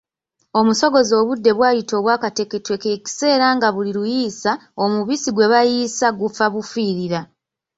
Omusogozi obudde bwayita obwakateketwe kye kiseera nga buli luyiisa, omubisi gwe bayiisa gufabufiirira.